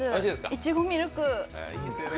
いちごミルク。